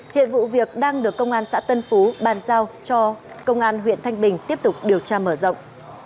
hiện vụ việc đang được công an xã tân phú bàn giao cho công an huyện thanh bình tiếp tục điều tra mở rộng